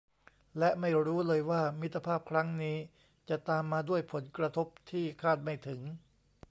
และไม่รู้เลยว่ามิตรภาพครั้งนี้จะตามมาด้วยผลกระทบที่คาดไม่ถึง